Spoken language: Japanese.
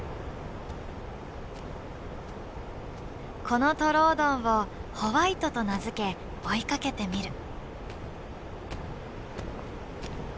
このトロオドンをホワイトと名付け追いかけてみる。